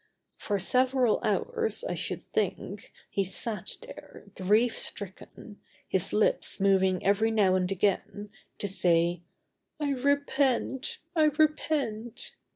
For several hours, I should think, he sat there, grief stricken, his lips moving every now and again, to say: "I repent! I repent!"